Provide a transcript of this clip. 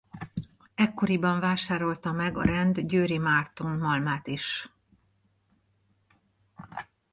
Ekkoriban vásárolta meg a rend Győri Márton malmát is.